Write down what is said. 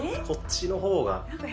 こっちの方が。